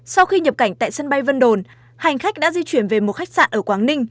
sau khi nhập cảnh tại sân bay vân đồn hành khách đã di chuyển về một khách sạn ở quảng ninh